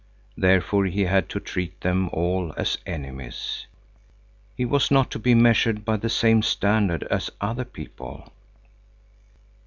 Therefore he had to treat them all as enemies. He was not to be measured by the same standard as other people.